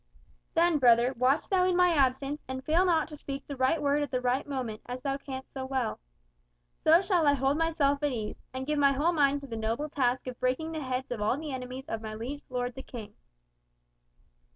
"Then, brother, watch thou in my absence, and fail not to speak the right word at the right moment, as thou canst so well. So shall I hold myself at ease, and give my whole mind to the noble task of breaking the heads of all the enemies of my liege lord the king."